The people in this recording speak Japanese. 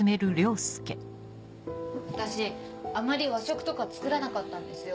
私あまり和食とか作らなかったんですよ。